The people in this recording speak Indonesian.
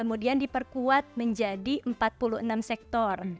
kemudian diperkuat menjadi empat puluh enam sektor